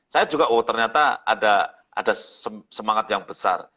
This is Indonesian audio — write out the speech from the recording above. saya juga oh ternyata ada semangat yang besar